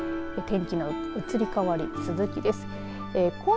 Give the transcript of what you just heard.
天気の移り変わり続きです。